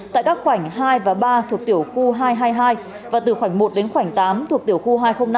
tại các khoảnh hai và ba thuộc tiểu khu hai trăm hai mươi hai và từ khoảnh một đến khoảnh tám thuộc tiểu khu hai trăm linh năm